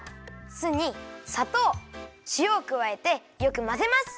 酢にさとうしおをくわえてよくまぜます！